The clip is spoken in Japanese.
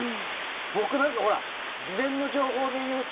僕なんかほら、事前の情報で言うと。